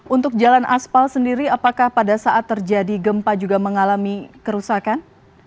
untuk jalan aspal sendiri apakah pada saat terjadi gempa juga mengalami kerusakan